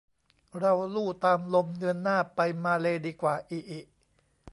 เราลู่ตามลม เดือนหน้าไปมาเลย์ดีกว่า อิอิ